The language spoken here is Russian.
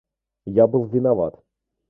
Я был виноват.